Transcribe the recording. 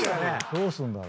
どうすんだろ？